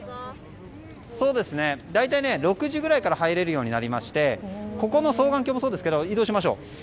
大体、６時ぐらいから入れるようになりましてここの双眼鏡もそうですけど移動しましょう。